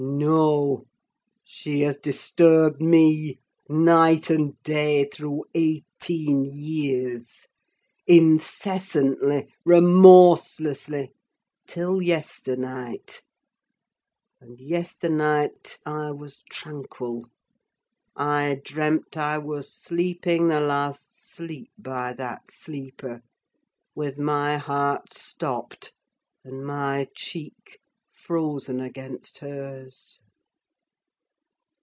No! she has disturbed me, night and day, through eighteen years—incessantly—remorselessly—till yesternight; and yesternight I was tranquil. I dreamt I was sleeping the last sleep by that sleeper, with my heart stopped and my cheek frozen against hers."